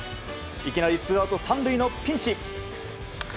いきなりツーアウト３塁のピンチ。